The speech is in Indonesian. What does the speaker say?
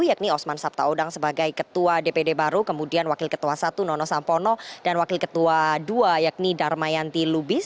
yakni osman sabtaodang sebagai ketua dpd baru kemudian wakil ketua satu nono sampono dan wakil ketua dua yakni darmayanti lubis